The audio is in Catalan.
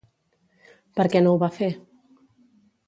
Per què no ho va fer?